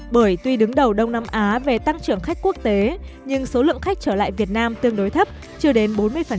bởi tuy đứng đầu đông nam á về tăng trưởng khách quốc tế nhưng số lượng khách trở lại việt nam tương đối thấp chưa đến bốn mươi